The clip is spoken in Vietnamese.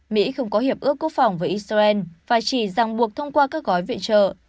mỹ không có hiệp ước quốc phòng với israel và chỉ giang buộc thông qua các gói viện trợ